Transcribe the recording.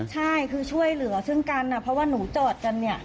ใช่คือช่วยเหลือซึ่งกันเพราะว่าหนูจอดกันเนี่ย